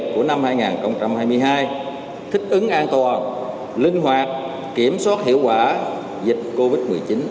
của năm hai nghìn hai mươi hai thích ứng an toàn linh hoạt kiểm soát hiệu quả dịch covid một mươi chín